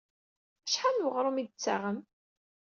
Acḥal n weɣrum i d-tettaɣem?